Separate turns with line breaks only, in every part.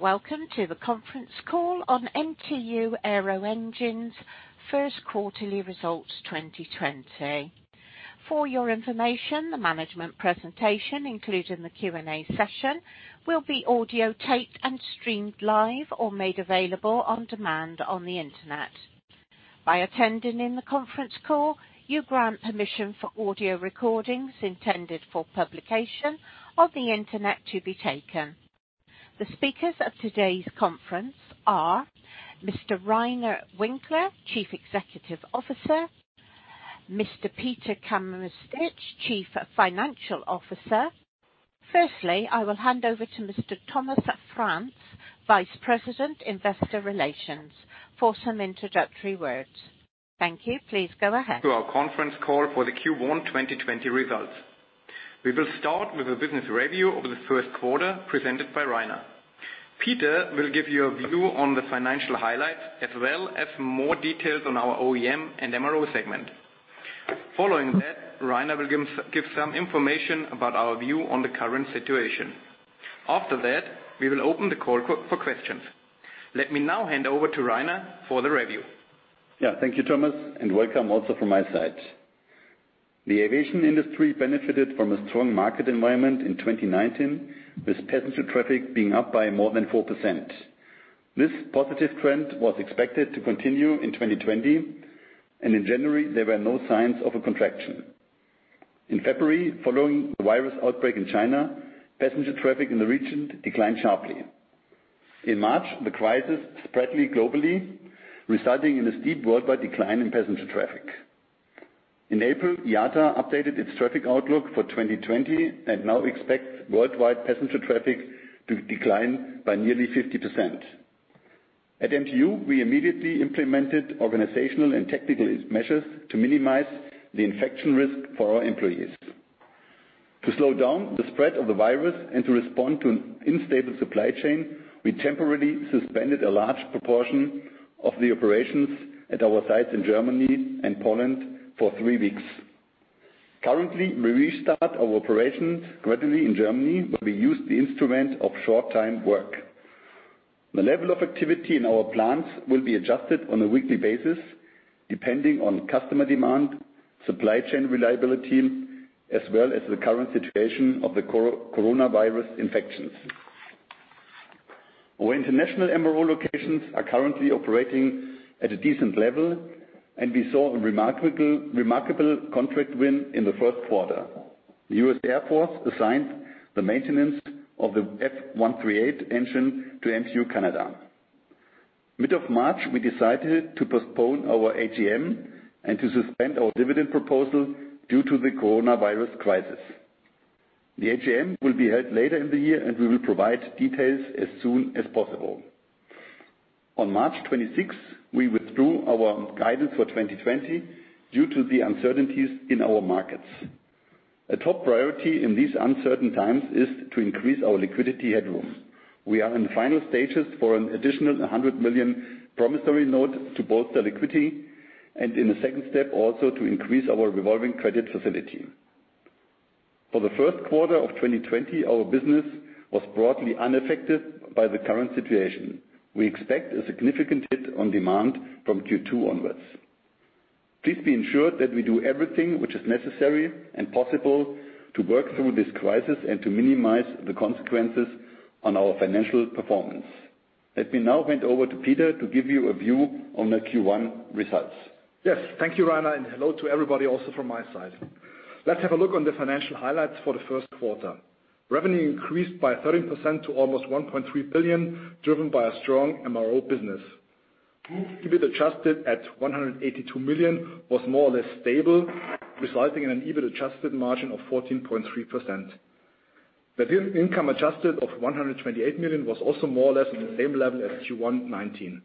Welcome to the conference call on MTU Aero Engines' First Quarterly Results 2020. For your information, the management presentation, including the Q&A session, will be audio-taped and streamed live or made available on demand on the internet. By attending in the conference call, you grant permission for audio recordings intended for publication on the internet to be taken. The speakers of today's conference are Mr. Reiner Winkler, Chief Executive Officer. Mr. Peter Kameritsch, Chief Financial Officer. Firstly, I will hand over to Mr. Thomas Franz, Vice President, Investor Relations, for some introductory words. Thank you. Please go ahead.
To our conference call for the Q1 2020 results. We will start with a business review of the first quarter presented by Reiner. Peter will give you a view on the financial highlights as well as more details on our OEM and MRO segment. Following that, Reiner will give some information about our view on the current situation. After that, we will open the call for questions. Let me now hand over to Reiner for the review.
Yeah, thank you, Thomas, and welcome also from my side. The aviation industry benefited from a strong market environment in 2019, with passenger traffic being up by more than 4%. This positive trend was expected to continue in 2020, and in January, there were no signs of a contraction. In February, following the virus outbreak in China, passenger traffic in the region declined sharply. In March, the crisis spread globally, resulting in a steep worldwide decline in passenger traffic. In April, IATA updated its traffic outlook for 2020 and now expects worldwide passenger traffic to decline by nearly 50%. At MTU, we immediately implemented organizational and technical measures to minimize the infection risk for our employees. To slow down the spread of the virus and to respond to an unstable supply chain, we temporarily suspended a large proportion of the operations at our sites in Germany and Poland for three weeks. Currently, we restart our operations gradually in Germany, but we use the instrument of short-time work. The level of activity in our plants will be adjusted on a weekly basis depending on customer demand, supply chain reliability, as well as the current situation of the coronavirus infections. Our international MRO locations are currently operating at a decent level, and we saw a remarkable contract win in the first quarter. The U.S. Air Force assigned the maintenance of the F138 engine to MTU Canada. In the middle of March, we decided to postpone our AGM and to suspend our dividend proposal due to the coronavirus crisis. The AGM will be held later in the year, and we will provide details as soon as possible. On March 26, we withdrew our guidance for 2020 due to the uncertainties in our markets. A top priority in these uncertain times is to increase our liquidity headroom. We are in the final stages for an additional 100 million promissory note to bolster liquidity, and in the second step, also to increase our revolving credit facility. For the first quarter of 2020, our business was broadly unaffected by the current situation. We expect a significant hit on demand from Q2 onwards. Please be ensured that we do everything which is necessary and possible to work through this crisis and to minimize the consequences on our financial performance. Let me now hand over to Peter to give you a view on the Q1 results.
Yes, thank you, Reiner, and hello to everybody also from my side. Let's have a look on the financial highlights for the first quarter. Revenue increased by 13% to almost 1.3 billion, driven by a strong MRO business. EBIT adjusted at 182 million was more or less stable, resulting in an EBIT adjusted margin of 14.3%. The income adjusted of 128 million was also more or less at the same level as Q1 2019.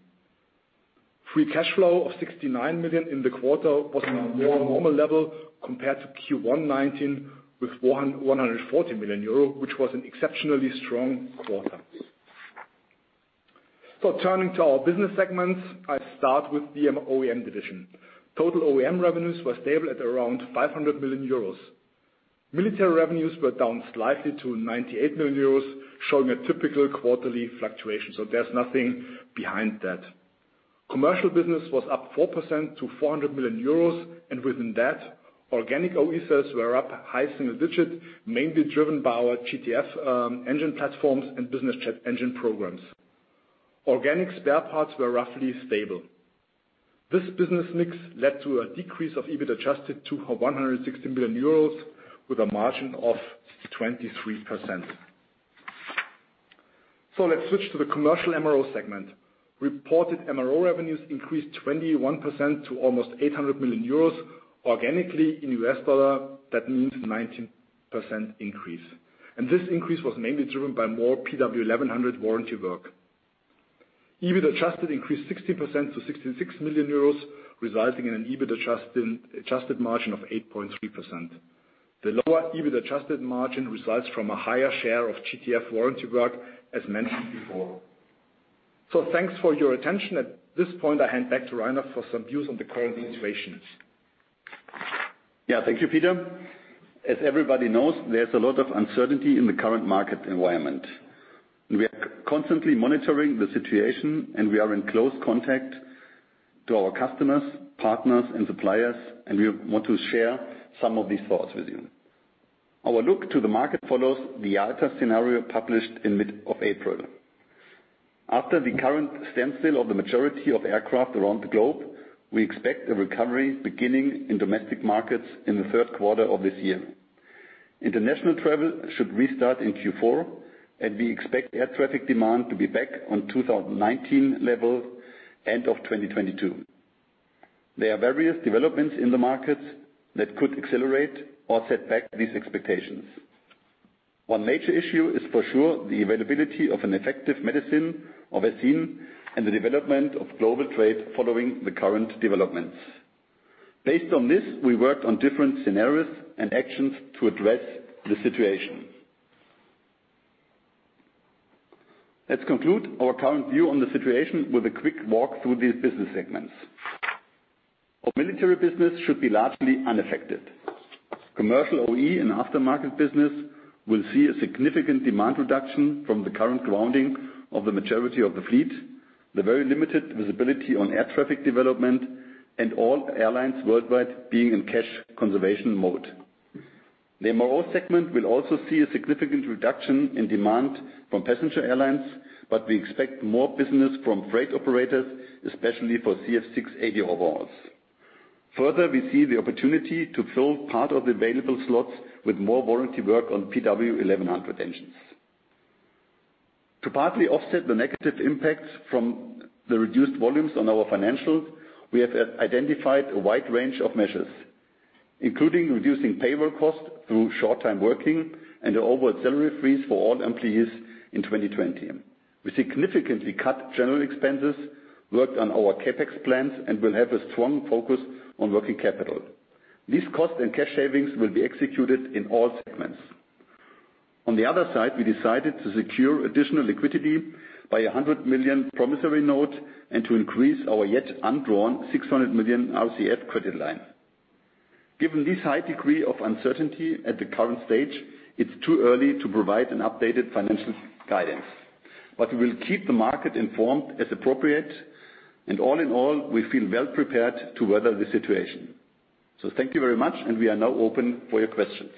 Free cash flow of 69 million in the quarter was a more normal level compared to Q1 2019 with 140 million euro, which was an exceptionally strong quarter. So turning to our business segments, I start with the OEM division. Total OEM revenues were stable at around 500 million euros. Military revenues were down slightly to 98 million euros, showing a typical quarterly fluctuation. So there's nothing behind that. Commercial business was up 4% to 400 million euros, and within that, organic OE sales were up high single digit, mainly driven by our GTF engine platforms and business jet engine programs. Organic spare parts were roughly stable. This business mix led to a decrease of EBIT adjusted to 160 million euros with a margin of 23%. So let's switch to the commercial MRO segment. Reported MRO revenues increased 21% to almost 800 million euros. Organically in US dollar, that means 19% increase. And this increase was mainly driven by more PW1100 warranty work. EBIT adjusted increased 16% to 66 million euros, resulting in an EBIT adjusted margin of 8.3%. The lower EUR EBIT adjusted margin results from a higher share of GTF warranty work, as mentioned before. So thanks for your attention. At this point, I hand back to Reiner for some views on the current situation.
Yeah, thank you, Peter. As everybody knows, there's a lot of uncertainty in the current market environment. We are constantly monitoring the situation, and we are in close contact with our customers, partners, and suppliers, and we want to share some of these thoughts with you. Our outlook to the market follows the IATA scenario published in mid-April. After the current standstill of the majority of aircraft around the globe, we expect a recovery beginning in domestic markets in the third quarter of this year. International travel should restart in Q4, and we expect air traffic demand to be back to 2019 levels by end of 2022. There are various developments in the markets that could accelerate or set back these expectations. One major issue is for sure the availability of an effective medicine or vaccine and the development of global trade following the current developments. Based on this, we worked on different scenarios and actions to address the situation. Let's conclude our current view on the situation with a quick walk through these business segments. Military business should be largely unaffected. Commercial OE and aftermarket business will see a significant demand reduction from the current grounding of the majority of the fleet, the very limited visibility on air traffic development, and all airlines worldwide being in cash conservation mode. The MRO segment will also see a significant reduction in demand from passenger airlines, but we expect more business from freight operators, especially for CF6-80 overhauls. Further, we see the opportunity to fill part of the available slots with more warranty work on PW1100 engines. To partly offset the negative impacts from the reduced volumes on our financials, we have identified a wide range of measures, including reducing payroll costs through short-time working and an overall salary freeze for all employees in 2020. We significantly cut general expenses, worked on our CapEx plans, and will have a strong focus on working capital. These costs and cash savings will be executed in all segments. On the other side, we decided to secure additional liquidity by 100 million promissory note and to increase our yet undrawn 600 million RCF credit line. Given this high degree of uncertainty at the current stage, it's too early to provide an updated financial guidance, but we will keep the market informed as appropriate. And all in all, we feel well prepared to weather the situation. So thank you very much, and we are now open for your questions.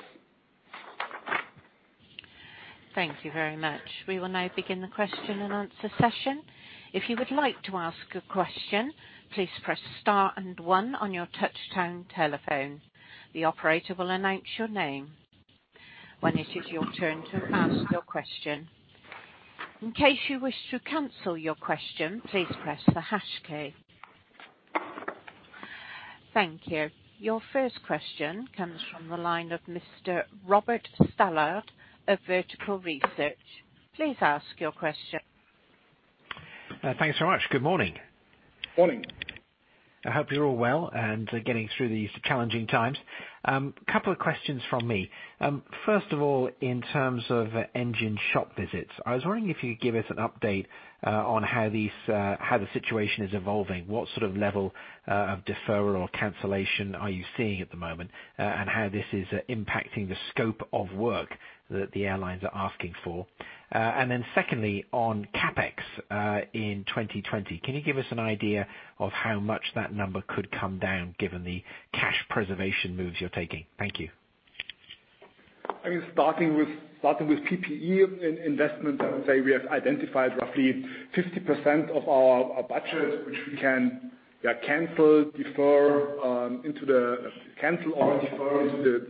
Thank you very much. We will now begin the question and answer session. If you would like to ask a question, please press star and one on your touch-tone telephone. The operator will announce your name when it is your turn to ask your question. In case you wish to cancel your question, please press the hash key. Thank you. Your first question comes from the line of Mr. Robert Stallard of Vertical Research. Please ask your question.
Thanks so much. Good morning.
Morning.
I hope you're all well and getting through these challenging times. A couple of questions from me. First of all, in terms of engine shop visits, I was wondering if you could give us an update on how the situation is evolving. What sort of level of deferral or cancellation are you seeing at the moment and how this is impacting the scope of work that the airlines are asking for? And then secondly, on CapEx in 2020, can you give us an idea of how much that number could come down given the cash preservation moves you're taking? Thank you.
I mean, starting with PPE investment, I would say we have identified roughly 50% of our budget, which we can cancel or defer into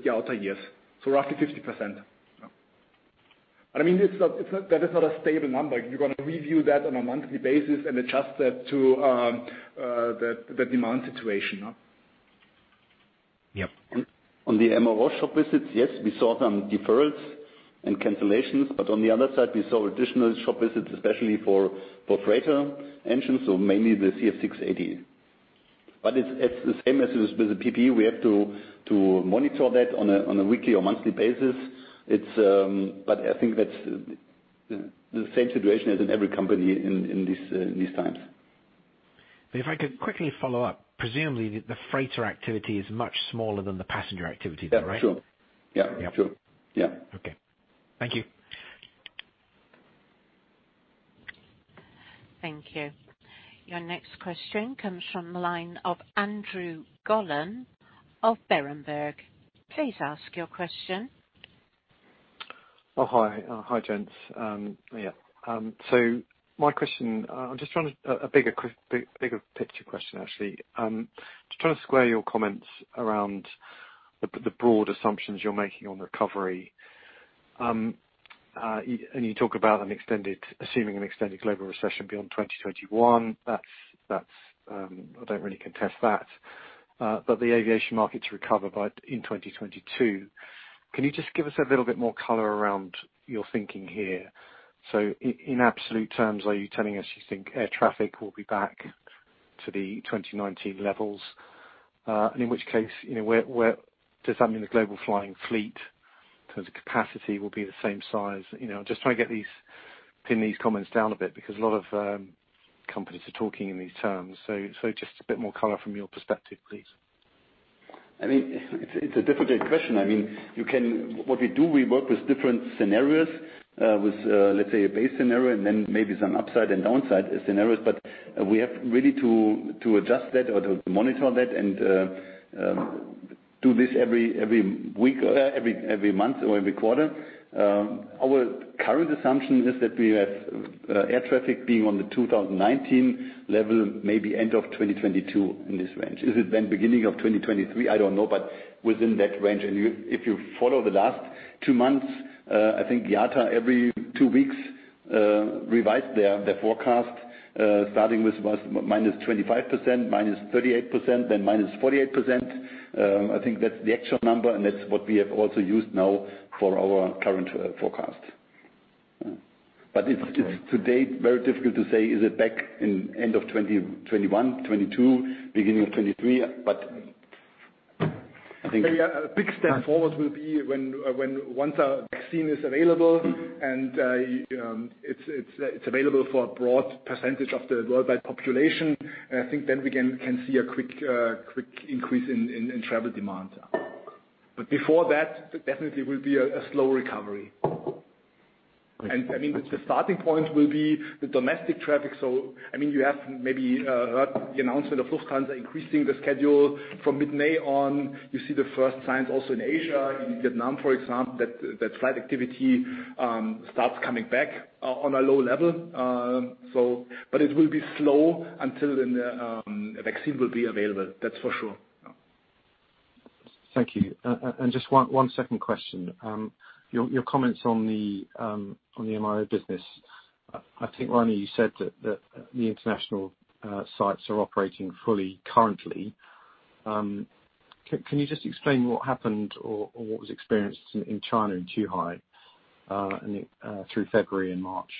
the outer years. So roughly 50%. But I mean, that is not a stable number. You're going to review that on a monthly basis and adjust that to the demand situation.
Yep.
On the MRO shop visits, yes, we saw some deferrals and cancellations, but on the other side, we saw additional shop visits, especially for freighter engines, so mainly the CF6-80. But it's the same as with the PPE. We have to monitor that on a weekly or monthly basis. But I think that's the same situation as in every company in these times.
If I could quickly follow up, presumably the freighter activity is much smaller than the passenger activity, though, right?
Yeah, sure.
Okay. Thank you.
Thank you. Your next question comes from the line of Andrew Gollan of Berenberg. Please ask your question.
Hi, James. Yeah. So my question, I'm just trying to ask a bigger picture question, actually. Just trying to square your comments around the broad assumptions you're making on recovery. You talk about assuming an extended global recession beyond 2021. I don't really contest that. But the aviation markets recovered in 2022. Can you just give us a little bit more color around your thinking here? So in absolute terms, are you telling us you think air traffic will be back to the 2019 levels? In which case, does that mean the global flying fleet in terms of capacity will be the same size? Just trying to pin these comments down a bit because a lot of companies are talking in these terms. Just a bit more color from your perspective, please.
I mean, it's a difficult question. I mean, what we do, we work with different scenarios, with, let's say, a base scenario and then maybe some upside and downside scenarios. But we have really to adjust that or to monitor that and do this every week, every month, or every quarter. Our current assumption is that we have air traffic being on the 2019 level, maybe end of 2022 in this range. Is it then beginning of 2023? I don't know, but within that range. And if you follow the last two months, I think IATA every two weeks revised their forecast, starting with -25%, -38%, then -48%. I think that's the actual number, and that's what we have also used now for our current forecast. But it's today very difficult to say, is it back in end of 2021, 2022, beginning of 2023? But I think--
Yeah, a big step forward will be when once a vaccine is available and it's available for a broad percentage of the worldwide population. I think then we can see a quick increase in travel demand. But before that, definitely will be a slow recovery. And I mean, the starting point will be the domestic traffic. So I mean, you have maybe heard the announcement of Lufthansa increasing the schedule from mid-May on. You see the first signs also in Asia, in Vietnam, for example, that flight activity starts coming back on a low level. But it will be slow until a vaccine will be available. That's for sure.
Thank you. And just one second question. Your comments on the MRO business, I think, Reiner, you said that the international sites are operating fully currently. Can you just explain what happened or what was experienced in China in Zhuhai through February and March?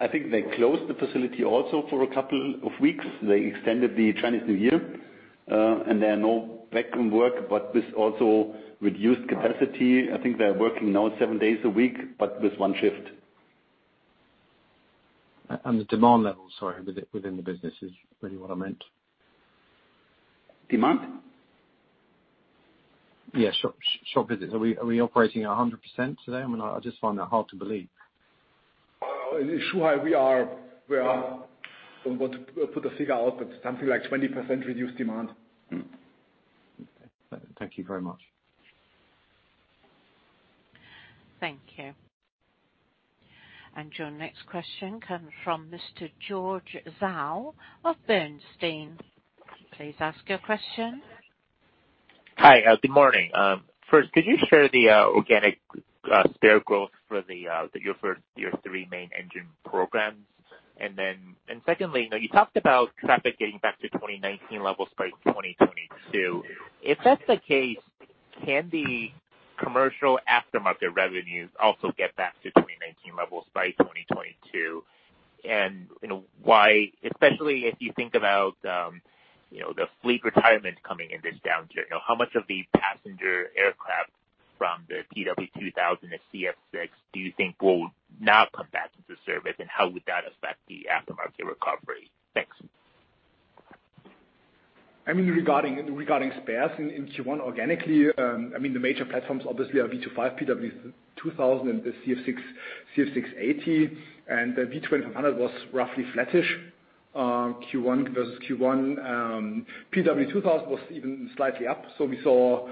I think they closed the facility also for a couple of weeks. They extended the Chinese New Year, and there are no backlog work, but this also reduced capacity. I think they're working now seven days a week, but with one shift.
The demand level, sorry, within the business is really what I meant.
Demand?
Yeah, shop visits. Are we operating at 100% today? I mean, I just find that hard to believe.
In Zhuhai, we are--
I don't want to put a figure out, but something like 20% reduced demand.
Thank you very much.
Thank you. And your next question comes from Mr. George Zhao of Bernstein. Please ask your question.
Hi, good morning. First, could you share the organic spare growth for your first three main engine programs? And then secondly, you talked about traffic getting back to 2019 levels by 2022. If that's the case, can the commercial aftermarket revenues also get back to 2019 levels by 2022? And why, especially if you think about the fleet retirement coming in this downturn, how much of the passenger aircraft from the PW2000 and CF6 do you think will not come back into service? And how would that affect the aftermarket recovery? Thanks.
I mean, regarding spares in Q1, organically, I mean, the major platforms obviously are V25, PW2000, and the CF6-80. And the V2500 was roughly flattish Q1 versus Q1. PW2000 was even slightly up. So we saw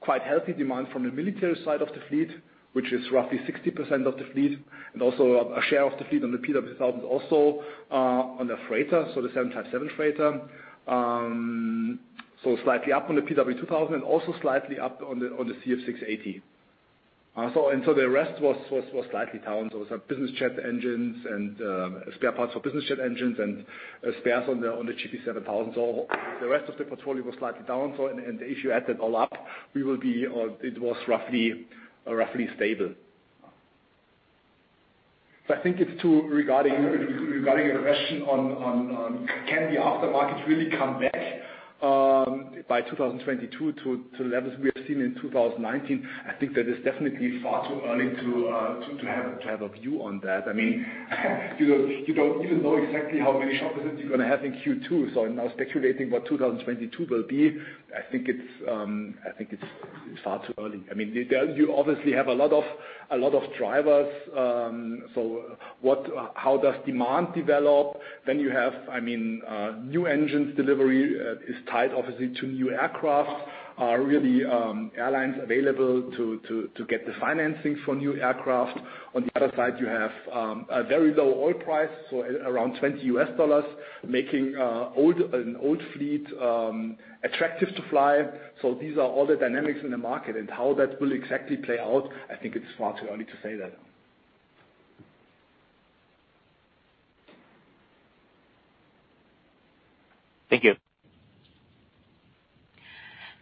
quite healthy demand from the military side of the fleet, which is roughly 60% of the fleet. And also a share of the fleet on the PW2000 is also on the freighter, so the 757 freighter. So slightly up on the PW2000 and also slightly up on the CF6-80. And so the rest was slightly down. So it was business jet engines and spare parts for business jet engines and spares on the GP7000. So the rest of the portfolio was slightly down. And if you add that all up, it was roughly stable. I think it's regarding your question on can the aftermarket really come back by 2022 to the levels we have seen in 2019? I think that is definitely far too early to have a view on that. I mean, you don't even know exactly how many shop visits you're going to have in Q2. So I'm now speculating what 2022 will be. I think it's far too early. I mean, you obviously have a lot of drivers. So how does demand develop? Then you have, I mean, new engines delivery is tied obviously to new aircraft. Are really airlines available to get the financing for new aircraft? On the other side, you have a very low oil price, so around $20, making an old fleet attractive to fly. So these are all the dynamics in the market and how that will exactly play out. I think it's far too early to say that.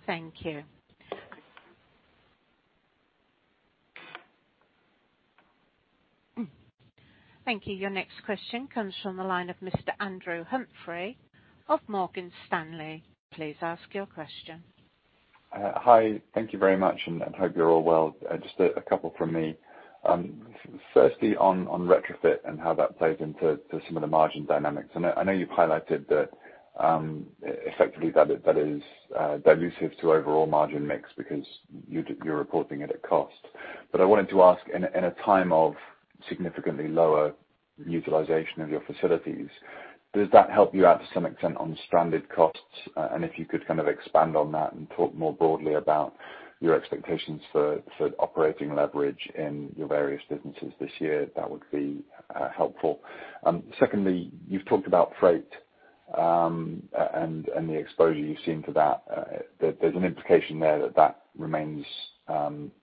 Thank you.
Thank you. Thank you. Your next question comes from the line of Mr. Andrew Humphrey of Morgan Stanley. Please ask your question.
Hi, thank you very much, and I hope you're all well. Just a couple from me. Firstly, on retrofit and how that plays into some of the margin dynamics, and I know you've highlighted that effectively that is dilutive to overall margin mix because you're reporting it at cost, but I wanted to ask, in a time of significantly lower utilization of your facilities, does that help you out to some extent on stranded costs, and if you could kind of expand on that and talk more broadly about your expectations for operating leverage in your various businesses this year, that would be helpful. Secondly, you've talked about freight and the exposure you've seen to that. There's an implication there that that remains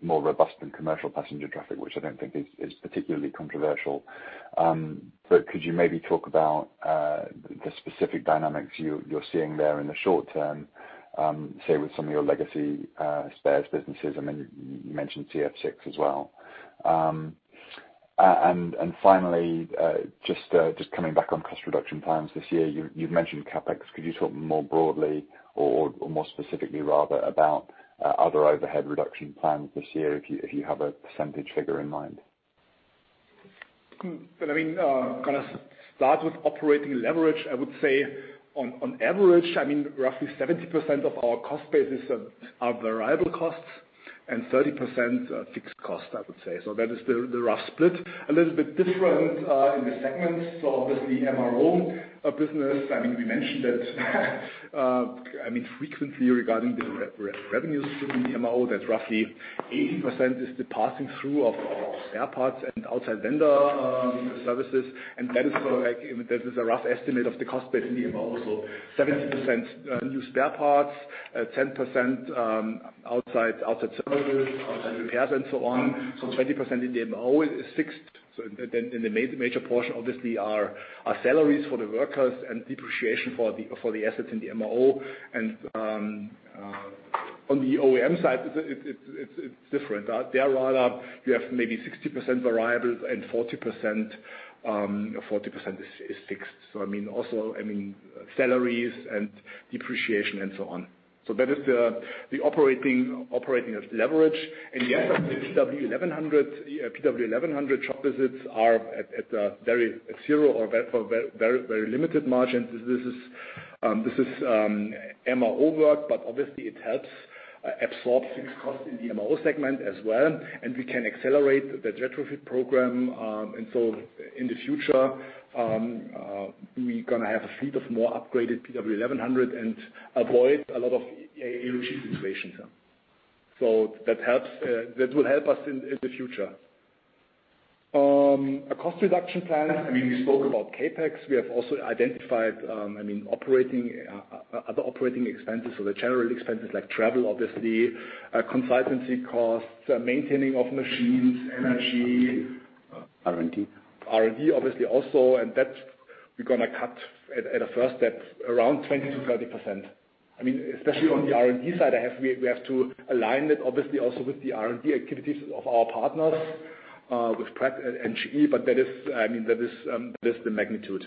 more robust than commercial passenger traffic, which I don't think is particularly controversial. But could you maybe talk about the specific dynamics you're seeing there in the short term, say, with some of your legacy spares businesses? I mean, you mentioned CF6 as well. And finally, just coming back on cost reduction plans this year, you've mentioned CapEx. Could you talk more broadly or more specifically, rather, about other overhead reduction plans this year, if you have a percentage figure in mind?
I mean, kind of start with operating leverage. I would say on average, I mean, roughly 70% of our cost basis are variable costs and 30% fixed costs, I would say. So that is the rough split. A little bit different in the segments. So obviously, MRO business, I mean, we mentioned that, I mean, frequently regarding the revenues in the MRO, that roughly 80% is the passing through of spare parts and outside vendor services. And that is a rough estimate of the cost base in the MRO. So 70% new spare parts, 10% outside services, outside repairs, and so on. So 20% in the MRO is fixed. So then the major portion, obviously, are salaries for the workers and depreciation for the assets in the MRO. And on the OEM side, it's different. There are, rather, you have maybe 60% variables and 40% is fixed. So, I mean, also salaries and depreciation and so on. So that is the operating leverage. And yes, the PW1100 shop visits are at zero or very limited margins. This is MRO work, but obviously, it helps absorb fixed costs in the MRO segment as well. And we can accelerate the retrofit program. And so in the future, we're going to have a fleet of more upgraded PW1100 and avoid a lot of AOG situations. So that will help us in the future. A cost reduction plan, I mean, we spoke about CapEx. We have also identified, I mean, other operating expenses. So the general expenses like travel, obviously, consultancy costs, maintaining of machines, energy.
R&D.
R&D, obviously, also, and that we're going to cut at a first step around 20%-30%. I mean, especially on the R&D side, we have to align it, obviously, also with the R&D activities of our partners with Pratt and GE, but I mean, that is the magnitude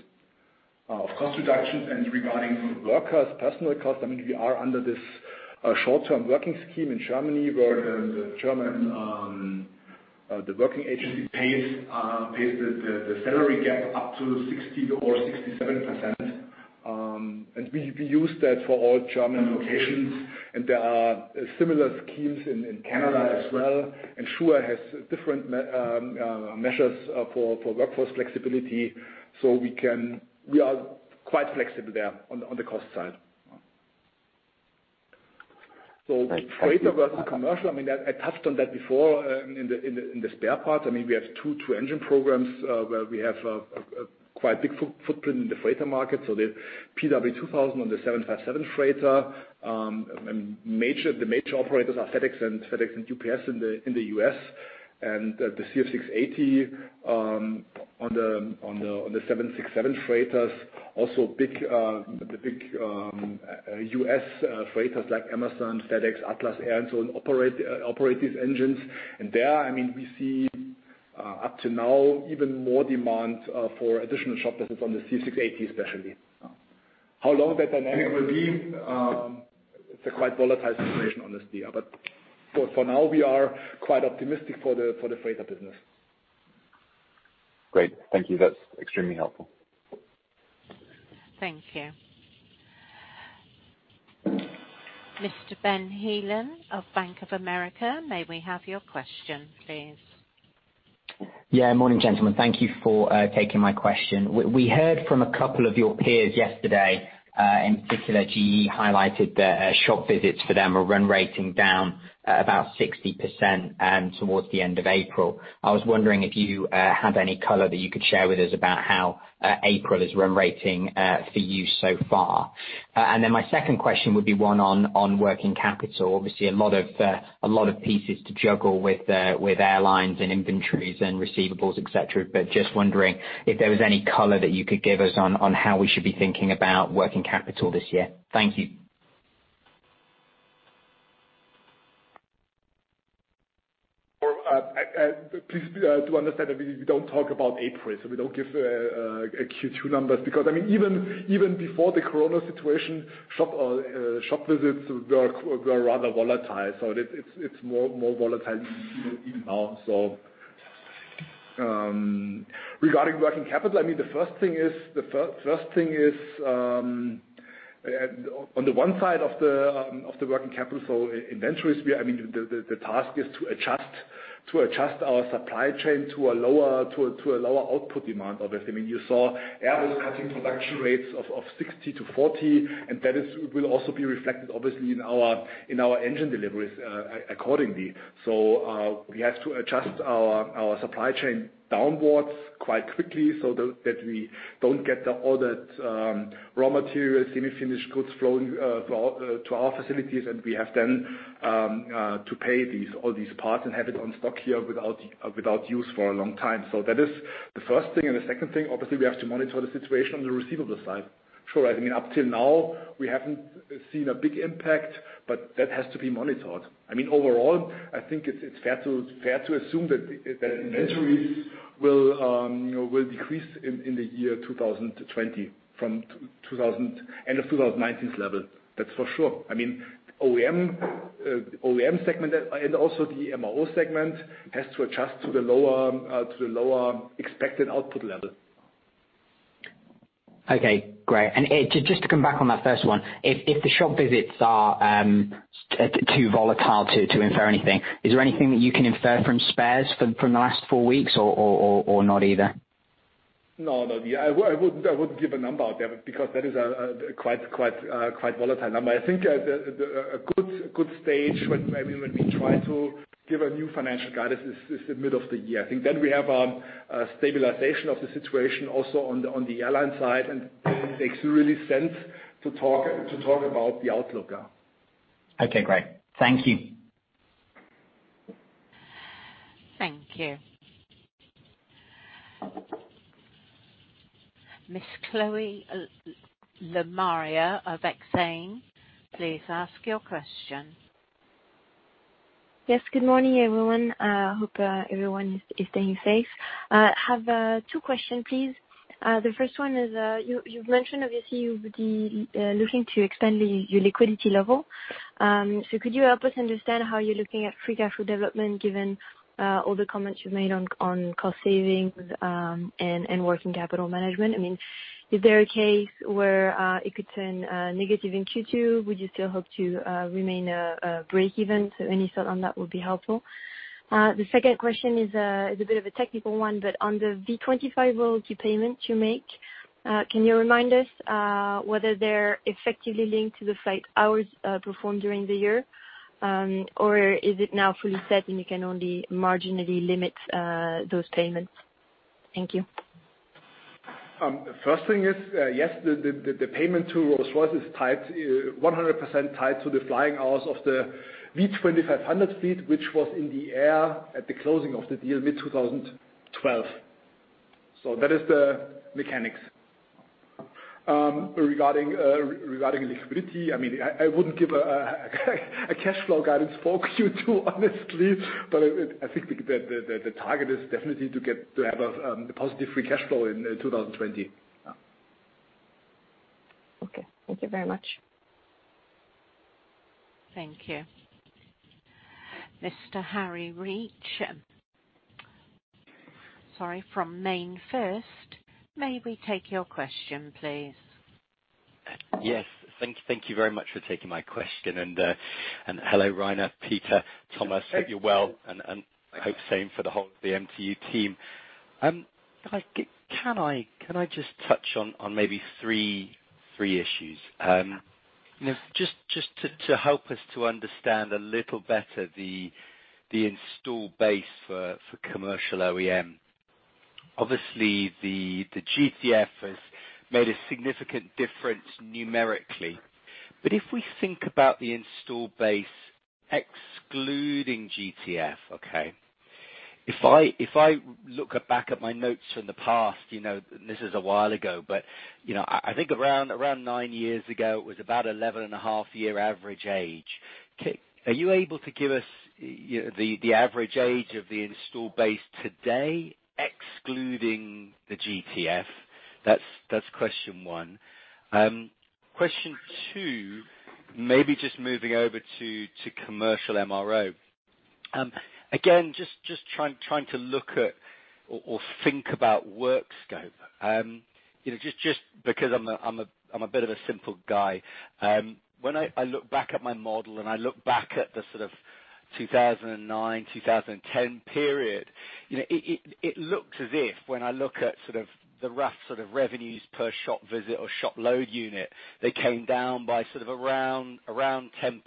of cost reductions, and regarding personnel costs, I mean, we are under this short-term working scheme in Germany where the working agency pays the salary gap up to 60% or 67%, and we use that for all German locations, and there are similar schemes in Canada as well, and Zhuhai has different measures for workforce flexibility, so we are quite flexible there on the cost side, so freighter versus commercial, I mean, I touched on that before in the spare parts. I mean, we have two engine programs where we have a quite big footprint in the freighter market. So the PW2000 on the 757 freighter. The major operators are FedEx and UPS in the U.S. and the CF6-80 on the 767 freighters. Also the big U.S. freighters like Amazon, FedEx, Atlas Air, and so on operate these engines. And there, I mean, we see up to now even more demand for additional shop visits on the CF6-80, especially. How long that dynamic will be, it's a quite volatile situation, honestly. But for now, we are quite optimistic for the freighter business.
Great. Thank you. That's extremely helpful.
Thank you. Mr. Ben Heelen of Bank of America, may we have your question, please?
Yeah. Morning, gentlemen. Thank you for taking my question. We heard from a couple of your peers yesterday. In particular, GE highlighted the shop visits for them are run rating down about 60% towards the end of April. I was wondering if you had any color that you could share with us about how April is run rating for you so far. And then my second question would be one on working capital. Obviously, a lot of pieces to juggle with airlines and inventories and receivables, etc. But just wondering if there was any color that you could give us on how we should be thinking about working capital this year. Thank you.
Please bear in mind that we don't talk about April. We don't give Q2 numbers because, I mean, even before the corona situation, shop visits were rather volatile. It's more volatile even now. Regarding working capital, I mean, the first thing is on the one side of the working capital, so inventories. I mean, the task is to adjust our supply chain to a lower output demand, obviously. I mean, you saw Airbus cutting production rates of 60%-40%. That will also be reflected, obviously, in our engine deliveries accordingly. We have to adjust our supply chain downwards quite quickly so that we don't get all that raw materials, semi-finished goods flowing to our facilities. We have then to pay all these parts and have it on stock here without use for a long time. That is the first thing. The second thing, obviously, we have to monitor the situation on the receivable side. Sure, I mean, up till now, we haven't seen a big impact, but that has to be monitored. I mean, overall, I think it's fair to assume that inventories will decrease in the year 2020 from end of 2019's level. That's for sure. I mean, the OEM segment and also the MRO segment has to adjust to the lower expected output level.
Okay. Great. And just to come back on that first one, if the shop visits are too volatile to infer anything, is there anything that you can infer from spares from the last four weeks or not either?
No, no. I wouldn't give a number out there because that is a quite volatile number. I think a good stage when we try to give a new financial guidance is the middle of the year. I think then we have a stabilization of the situation also on the airline side. And it makes really sense to talk about the outlook now.
Okay. Great. Thank you.
Thank you. Ms. Chloe Lemarie of Exane, please ask your question.
Yes. Good morning, everyone. I hope everyone is staying safe. I have two questions, please. The first one is you've mentioned, obviously, you'll be looking to expand your liquidity level. So could you help us understand how you're looking at free cash flow development given all the comments you've made on cost savings and working capital management? I mean, is there a case where it could turn negative in Q2? Would you still hope to remain a break-even? So any thought on that would be helpful. The second question is a bit of a technical one, but on the V25 royalty payment you make, can you remind us whether they're effectively linked to the flight hours performed during the year, or is it now fully set and you can only marginally limit those payments? Thank you.
First thing is, yes, the payment to Rolls-Royce is tied, 100% tied to the flying hours of the V2500 fleet, which was in the air at the closing of the deal mid-2012. So that is the mechanics. Regarding liquidity, I mean, I wouldn't give a cash flow guidance for Q2, honestly. But I think the target is definitely to have a positive free cash flow in 2020.
Okay. Thank you very much.
Thank you. Mr. Harry Breach. Sorry, from MainFirst. May we take your question, please? Yes. Thank you very much for taking my question. And hello, Reiner, Peter, Thomas. Hope you're well. And I hope same for the whole of the MTU team. Can I just touch on maybe three issues? Just to help us to understand a little better the installed base for commercial OEM, obviously, the GTF has made a significant difference numerically. But if we think about the installed base excluding GTF, okay, if I look back at my notes from the past, this is a while ago, but I think around nine years ago, it was about 11.5 year average age. Are you able to give us the average age of the installed base today excluding the GTF? That's question one. Question two, maybe just moving over to commercial MRO. Again, just trying to look at or think about work scope. Just because I'm a bit of a simple guy, when I look back at my model and I look back at the sort of 2009, 2010 period, it looks as if when I look at sort of the rough sort of revenues per shop visit or shop load unit, they came down by sort of around 10%.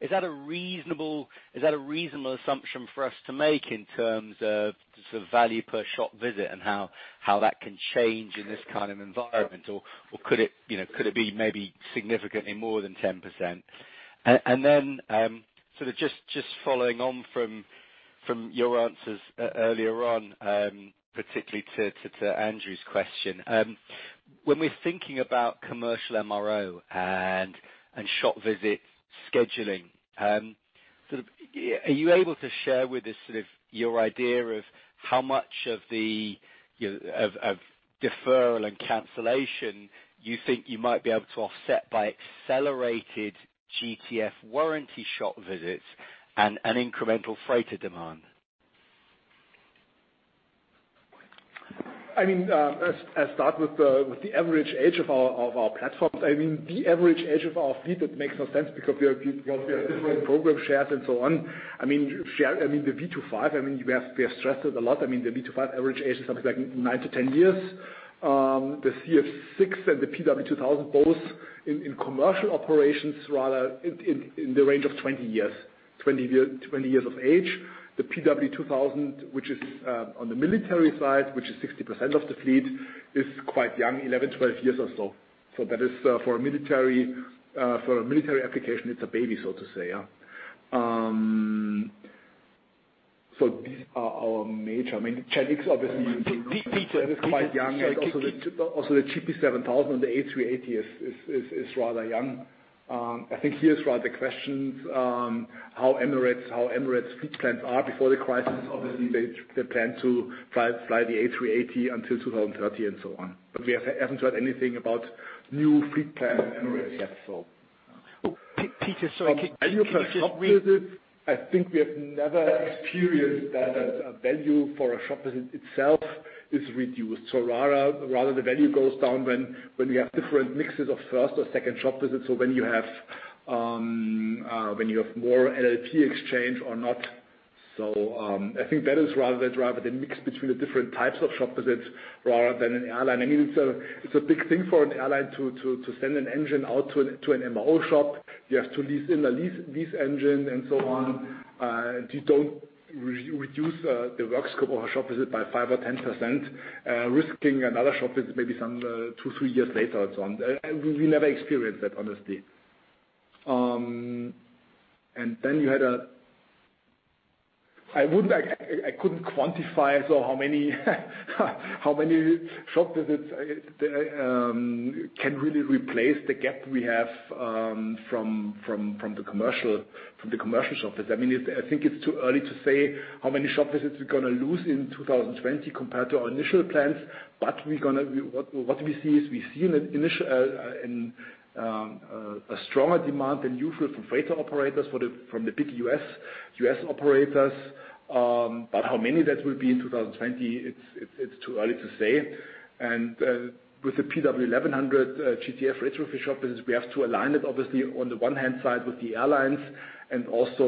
Is that a reasonable assumption for us to make in terms of the value per shop visit and how that can change in this kind of environment? Or could it be maybe significantly more than 10%? And then sort of just following on from your answers earlier on, particularly to Andrew's question, when we're thinking about commercial MRO and shop visit scheduling, sort of are you able to share with us sort of your idea of how much of the deferral and cancellation you think you might be able to offset by accelerated GTF warranty shop visits and incremental freighter demand?
I mean, I'll start with the average age of our platforms. I mean, the average age of our fleet, it makes no sense because we have different program shares and so on. I mean, the V25, I mean, we have stressed it a lot. I mean, the V25 average age is something like 9 to 10 years. The CF6 and the PW2000, both in commercial operations, rather in the range of 20 years, 20 years of age. The PW2000, which is on the military side, which is 60% of the fleet, is quite young, 11, 12 years or so. So that is for a military application, it's a baby, so to say. So these are our major main techniques, obviously. That is quite young. Also the GP7000 and the A380 is rather young. I think here's rather the questions, how Emirates' fleet plans are before the crisis. Obviously, they plan to fly the A380 until 2030 and so on. But we haven't heard anything about new fleet plans in Emirates yet, so. Peter, sorry-- I think we have never experienced that the value for a shop visit itself is reduced. So rather the value goes down when we have different mixes of first or second shop visits. So when you have more LLP exchange or not. I think that is rather the mix between the different types of shop visits rather than an airline. I mean, it's a big thing for an airline to send an engine out to an MRO shop. You have to lease in a lease engine and so on. You don't reduce the work scope of a shop visit by 5% or 10%, risking another shop visit maybe some two, three years later and so on. We never experienced that, honestly. And then you had a I couldn't quantify how many shop visits can really replace the gap we have from the commercial shop visit. I mean, I think it's too early to say how many shop visits we're going to lose in 2020 compared to our initial plans. But what we see is we see a stronger demand than usual from freighter operators, from the big U.S. operators. But how many that will be in 2020, it's too early to say. And with the PW1100 GTF retrofit shop visits, we have to align it, obviously, on the one hand side with the airlines and also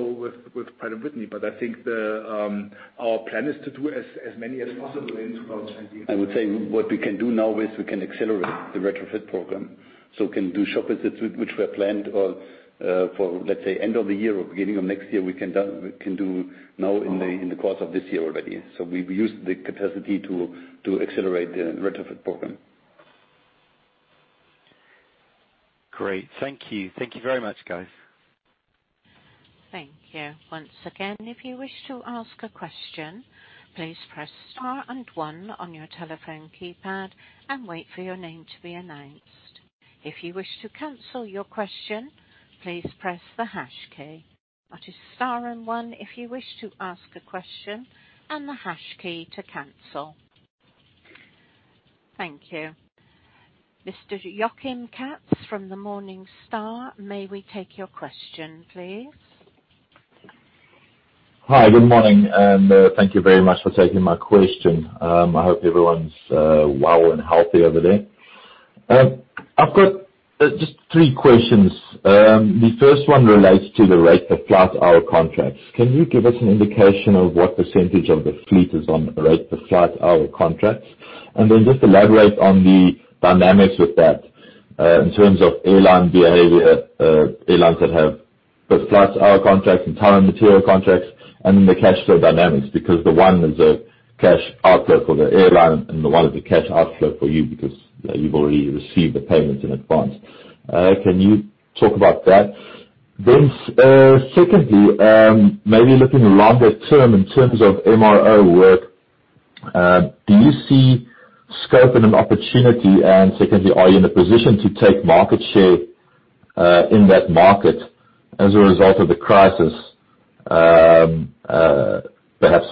with Pratt & Whitney. But I think our plan is to do as many as possible in 2020.
I would say what we can do now is we can accelerate the retrofit program. So we can do shop visits which were planned for, let's say, end of the year or beginning of next year. We can do now in the course of this year already. So we use the capacity to accelerate the retrofit program. Great. Thank you. Thank you very much, guys.
Thank you. Once again, if you wish to ask a question, please press star and one on your telephone keypad and wait for your name to be announced. If you wish to cancel your question, please press the hash key. That is star and one if you wish to ask a question and the hash key to cancel. Thank you. Mr. Joachim Kotze from Morningstar, may we take your question, please?
Hi. Good morning. And thank you very much for taking my question. I hope everyone's well and healthy over there. I've got just three questions. The first one relates to the rate of flight hour contracts. Can you give us an indication of what percentage of the fleet is on rate of flight hour contracts? And then just elaborate on the dynamics with that in terms of airline behavior, airlines that have both flight hour contracts and time and material contracts, and then the cash flow dynamics because the one is a cash outflow for the airline and the one is a cash outflow for you because you've already received the payments in advance. Can you talk about that? Then secondly, maybe looking longer term in terms of MRO work, do you see scope and an opportunity? Secondly, are you in a position to take market share in that market as a result of the crisis, perhaps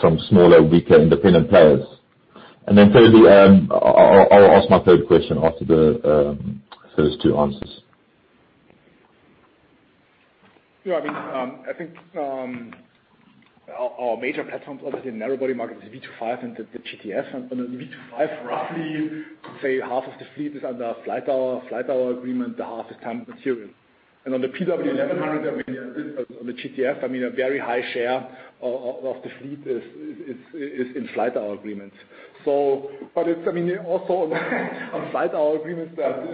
from smaller, weaker independent players? Then thirdly, I'll ask my third question after the first two answers.
Yeah. I mean, I think our major platforms, obviously, in the aftermarket is V25 and the GTF. And on the V25, roughly, I'd say half of the fleet is under flight hour agreement, the half is time and material. And on the PW1100, I mean, on the GTF, I mean, a very high share of the fleet is in flight hour agreements. But I mean, also on flight hour agreements, there are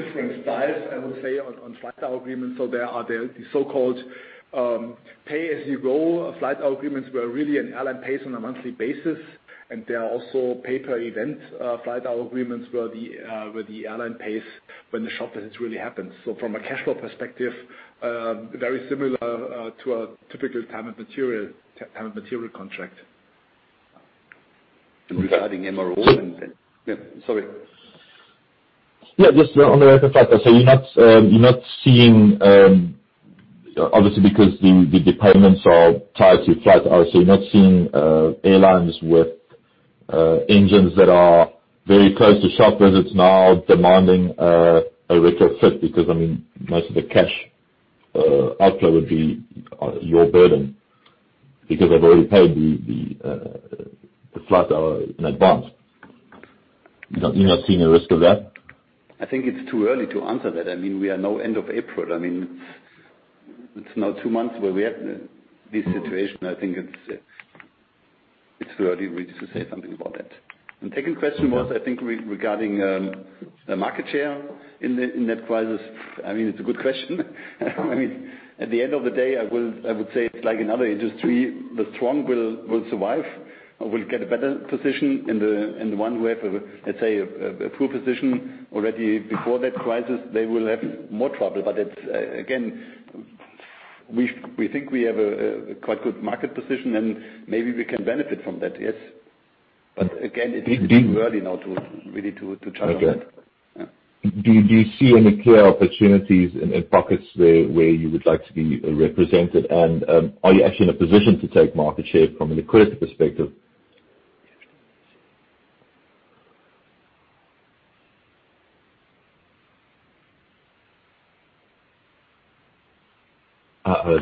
different styles, I would say, on flight hour agreements. So there are the so-called pay-as-you-go flight hour agreements where really an airline pays on a monthly basis. And there are also pay-per-event flight hour agreements where the airline pays when the shop visit really happens. So from a cash flow perspective, very similar to a typical time and material contract.
Regarding MRO and then yeah, sorry.
Yeah. Just on the retrofit side, so you're not seeing, obviously, because the payments are tied to flight hours, so you're not seeing airlines with engines that are very close to shop visits now demanding a retrofit because, I mean, most of the cash outflow would be your burden because they've already paid the flight hour in advance. You're not seeing a risk of that?
I think it's too early to answer that. I mean, we are now end of April. I mean, it's now two months where we have this situation. I think it's too early really to say something about that. And second question was, I think, regarding the market share in that crisis. I mean, it's a good question. I mean, at the end of the day, I would say it's like in other industries, the strong will survive or will get a better position. And the one who has, let's say, a poor position already before that crisis, they will have more trouble. But again, we think we have a quite good market position, and maybe we can benefit from that, yes. But again, it's too early now to really to judge on that.
Do you see any clear opportunities in pockets where you would like to be represented? And are you actually in a position to take market share from a liquidity perspective?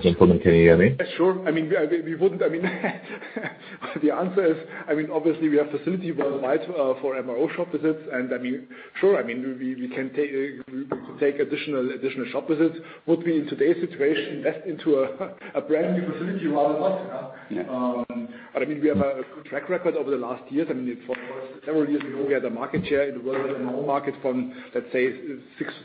Gentlemen, can you hear me?
Yeah, sure. I mean, we wouldn't. I mean, the answer is, I mean, obviously, we have facilities worldwide for MRO shop visits. And I mean, sure, I mean, we can take additional shop visits. Would we in today's situation invest into a brand new facility? Rather not. But I mean, we have a good track record over the last years. I mean, several years ago, we had a market share in the worldwide MRO market from, let's say, 6%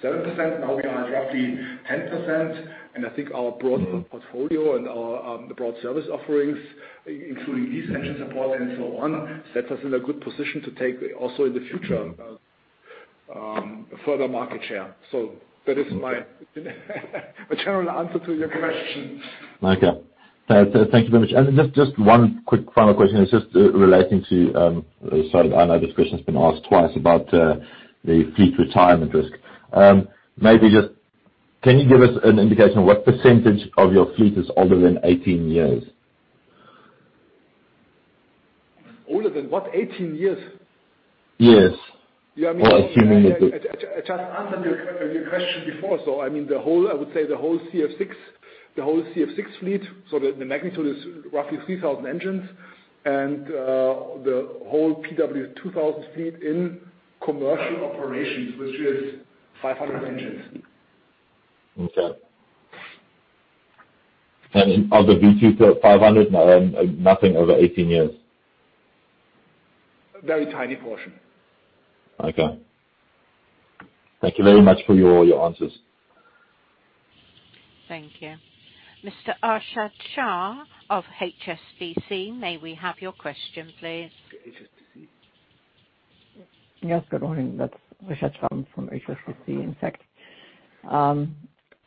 to 7%. Now we are at roughly 10%. And I think our broad portfolio and our broad service offerings, including lease engine support and so on, sets us in a good position to take also in the future further market share. So that is my general answer to your question.
Okay. Thank you very much, and just one quick final question is just relating to sorry, I know this question has been asked twice about the fleet retirement risk. Maybe just can you give us an indication of what percentage of your fleet is older than 18 years?
Older than what? 18 years?
Yes.
Yeah, I mean--
Or assuming that the--
I just answered your question before. So I mean, I would say the whole CF6, the whole CF6 fleet, so the magnitude is roughly 3,000 engines. And the whole PW2000 fleet in commercial operations, which is 500 engines.
Okay. And of the V2500, nothing over 18 years?
Very tiny portion.
Okay. Thank you very much for your answers.
Thank you. Mr. Achal Kumar of HSBC, may we have your question, please? Yes, good morning. That's Achal Kumar from HSBC. In fact,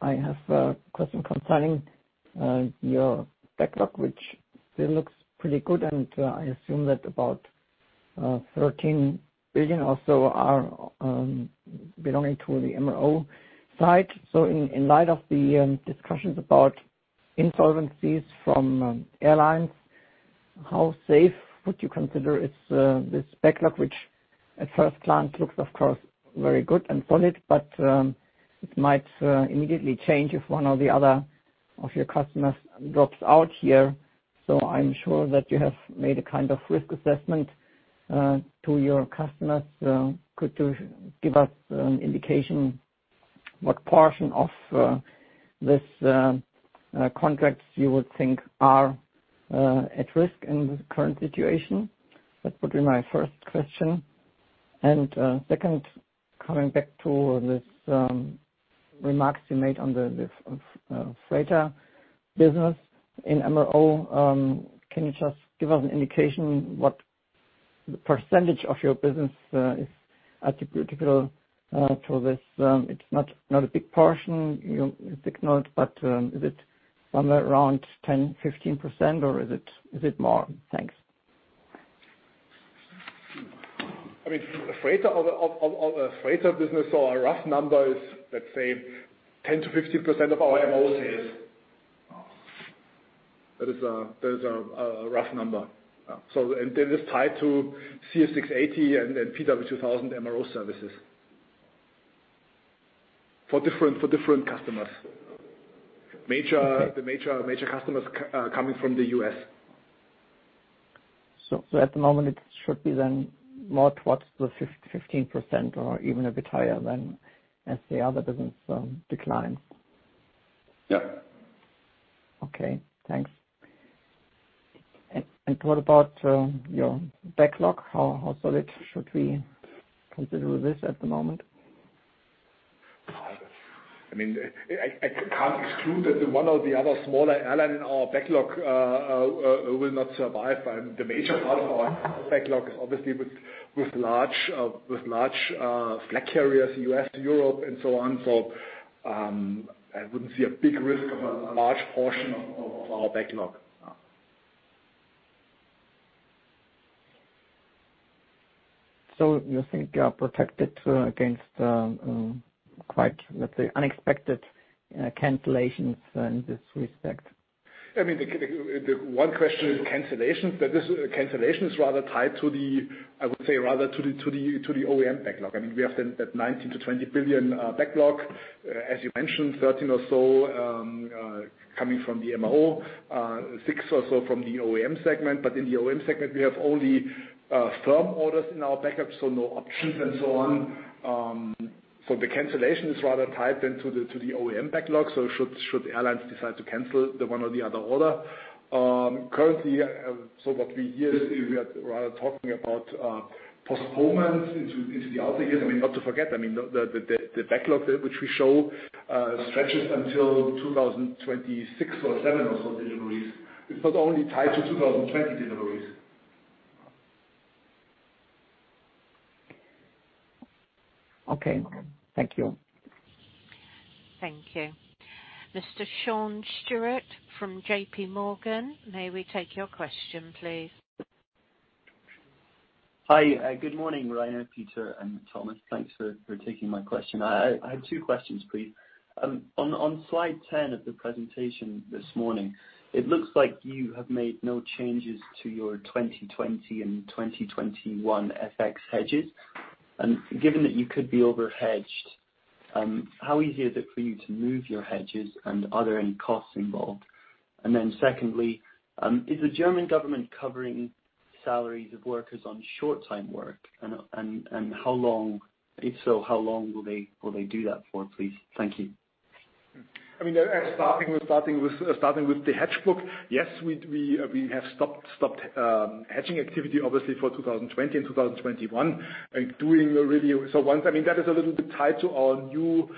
I have a question concerning your backlog, which still looks pretty good, and I assume that about 13 billion or so are belonging to the MRO side, so in light of the discussions about insolvencies from airlines, how safe would you consider this backlog, which at first glance looks, of course, very good and solid, but it might immediately change if one or the other of your customers drops out here? So I'm sure that you have made a kind of risk assessment to your customers. Could you give us an indication what portion of these contracts you would think are at risk in the current situation? That would be my first question. Second, coming back to these remarks you made on the freighter business in MRO, can you just give us an indication what percentage of your business is attributable to this? It's not a big portion, you signaled, but is it somewhere around 10%, 15%, or is it more? Thanks.
I mean, the freighter business, so a rough number is, let's say, 10%-15% of our MRO sales. That is a rough number. And this is tied to CF6-80 and PW2000 MRO services for different customers. The major customers are coming from the U.S. At the moment, it should be then more towards the 15% or even a bit higher when SAR -- the business, declines. Yeah. Okay. Thanks. And what about your backlog? How solid should we consider this at the moment? I mean, I can't exclude that one or the other smaller airline in our backlog will not survive. The major part of our backlog is obviously with large flag carriers, U.S., Europe, and so on. I wouldn't see a big risk of a large portion of our backlog. So you think you are protected against quite, let's say, unexpected cancellations in this respect? I mean, the one question is cancellations. That cancellation is rather tied to the, I would say, rather to the OEM backlog. I mean, we have that 19 billion-20 billion backlog, as you mentioned, 13 billion or so coming from the MRO, 6 billion or so from the OEM segment. But in the OEM segment, we have only firm orders in our backlog, so no options and so on. So the cancellation is rather tied then to the OEM backlog. So should airlines decide to cancel the one or the other order? Currently, so what we hear is we are rather talking about postponements into the outer years. I mean, not to forget, I mean, the backlog which we show stretches until 2026 or 2027 or so deliveries. It's not only tied to 2020 deliveries. Okay. Thank you.
Thank you. Mr. Sean Stewart from JPMorgan, may we take your question, please?
Hi. Good morning, Reiner, Peter, and Thomas. Thanks for taking my question. I have two questions, please. On slide 10 of the presentation this morning, it looks like you have made no changes to your 2020 and 2021 FX hedges. And given that you could be overhedged, how easy is it for you to move your hedges, and are there any costs involved? And then secondly, is the German government covering salaries of workers on short-time work? And how long, if so, how long will they do that for, please? Thank you.
I mean, starting with the hedge book, yes, we have stopped hedging activity, obviously, for 2020 and 2021, and doing really so once, I mean, that is a little bit tied to our new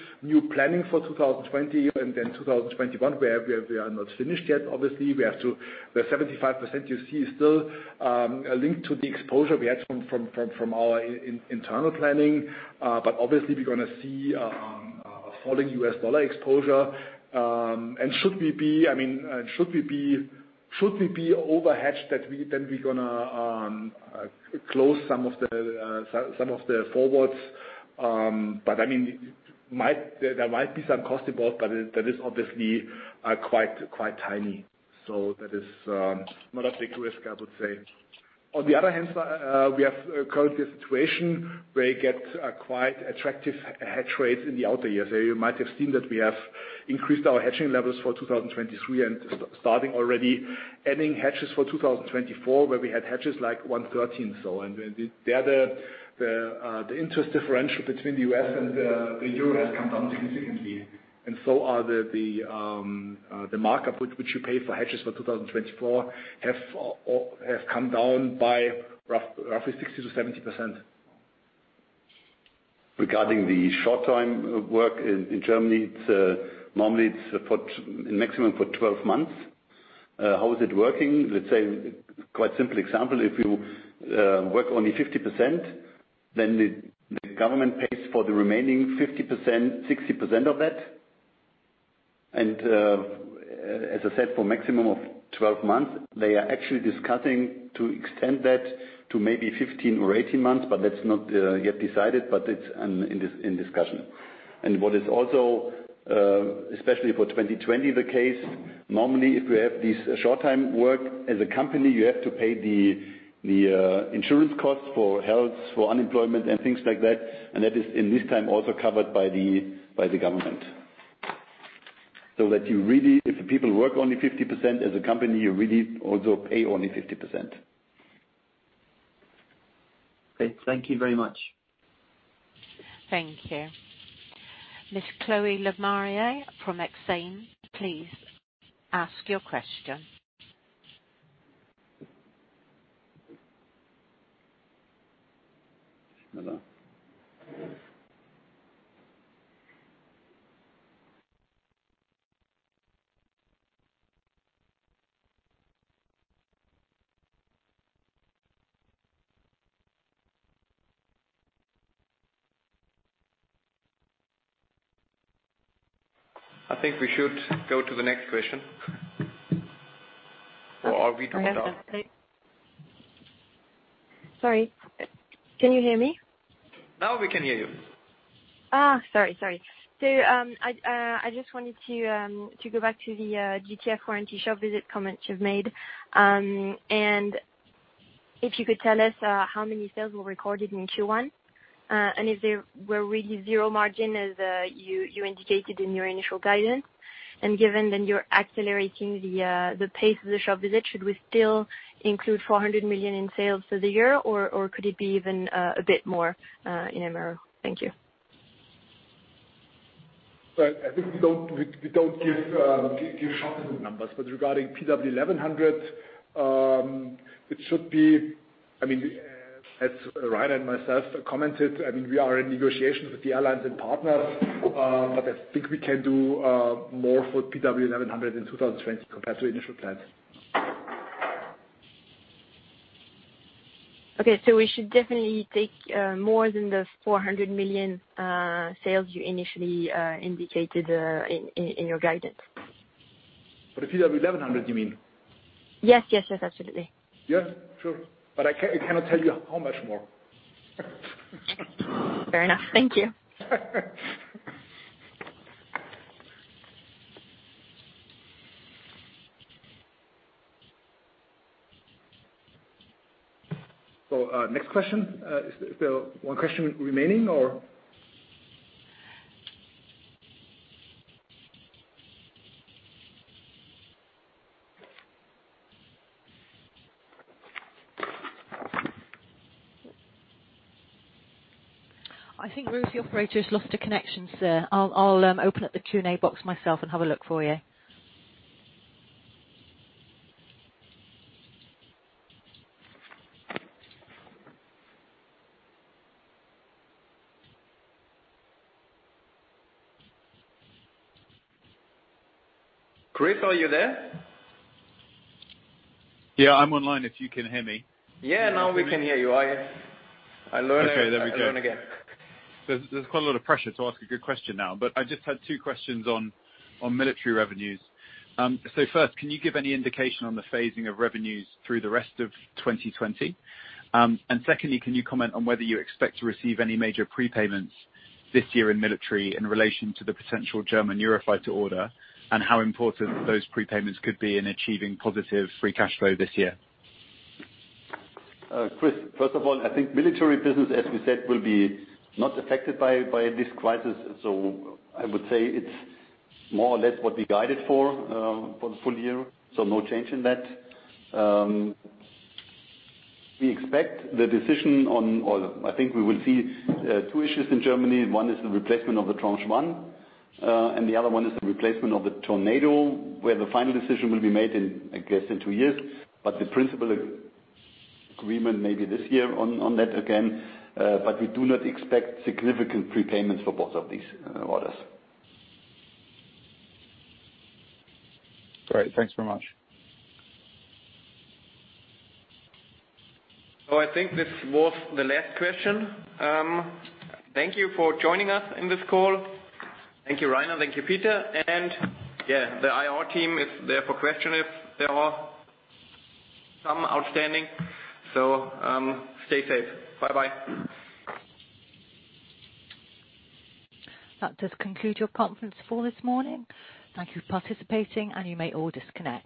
planning for 2020 and then 2021, where we are not finished yet, obviously. We have to the 75% you see is still linked to the exposure we had from our internal planning, but obviously, we're going to see a falling U.S. dollar exposure, and should we be, I mean, should we be overhedged that then we're going to close some of the forwards? But I mean, there might be some cost involved, but that is obviously quite tiny, so that is not a big risk, I would say. On the other hand, we have currently a situation where you get quite attractive hedge rates in the outer years. So you might have seen that we have increased our hedging levels for 2023 and starting already adding hedges for 2024, where we had hedges like 113. So the interest differential between the U.S. and the euro has come down significantly. And so are the markup which you pay for hedges for 2024 have come down by roughly 60%-70%.
Regarding the short-time work in Germany, normally it's maximum for 12 months. How is it working? Let's say, quite simple example, if you work only 50%, then the government pays for the remaining 50%, 60% of that. And as I said, for a maximum of 12 months, they are actually discussing to extend that to maybe 15 or 18 months, but that's not yet decided, but it's in discussion. And what is also, especially for 2020, the case, normally if you have this short-time work as a company, you have to pay the insurance costs for health, for unemployment, and things like that. And that is in this time also covered by the government. So that you really, if the people work only 50% as a company, you really also pay only 50%.
Okay. Thank you very much.
Thank you. Ms. Chloe Lemarie from Exane, please ask your question.
I think we should go to the next question. Or are we doing that?
Sorry. Can you hear me?
Now we can hear you.
Oh, sorry, sorry. So I just wanted to go back to the GTF warranty shop visit comments you've made. And if you could tell us how many sales were recorded in Q1 and if there were really zero margin, as you indicated in your initial guidance. And given that you're accelerating the pace of the shop visit, should we still include 400 million in sales for the year, or could it be even a bit more in MRO? Thank you.
But I think we don't give shop visit numbers. But regarding PW1100, it should be, I mean, as Reiner and myself commented, I mean, we are in negotiations with the airlines and partners, but I think we can do more for PW1100 in 2020 compared to initial plans.
Okay. So we should definitely take more than the 400 million sales you initially indicated in your guidance.
For the PW1100, you mean?
Yes, yes, yes, absolutely.
Yeah, sure. But I cannot tell you how much more.
Fair enough. Thank you.
So next question. Is there one question remaining, or?
I think the operator lost a connection there. I'll open up the Q&A box myself and have a look for you.
Chris, are you there? Yeah, I'm online if you can hear me. Yeah, now we can hear you. I learned again. There's quite a lot of pressure to ask a good question now, but I just had two questions on military revenues. So first, can you give any indication on the phasing of revenues through the rest of 2020? And secondly, can you comment on whether you expect to receive any major prepayments this year in military in relation to the potential German Eurofighter order and how important those prepayments could be in achieving positive free cash flow this year?
Chris, first of all, I think military business, as we said, will be not affected by this crisis. I would say it's more or less what we guided for the full year, so no change in that. We expect the decision on, or I think we will see two issues in Germany. One is the replacement of the Tranche 1, and the other one is the replacement of the Tornado, where the final decision will be made, I guess, in two years. But the principal agreement may be this year on that again. But we do not expect significant prepayments for both of these orders. Great. Thanks very much.
So I think this was the last question. Thank you for joining us in this call. Thank you, Reiner. Thank you, Peter. And yeah, the IR team is there for questions if there are some outstanding. So stay safe. Bye-bye.
That does conclude your conference for this morning. Thank you for participating, and you may all disconnect.